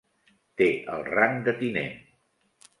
Té el rang de tinent.